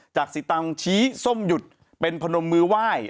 สิตังชี้ส้มหยุดเป็นพนมมือไหว้